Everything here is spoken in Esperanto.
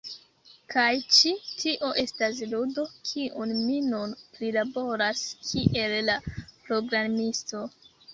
Kaj ĉi tio estas ludo, kiun mi nun prilaboras kiel la programisto.